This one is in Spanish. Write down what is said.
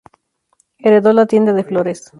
Heredó la tienda de flores.